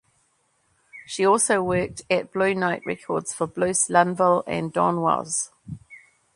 She also worked at Blue Note Records for Bruce Lundvall and Don Was.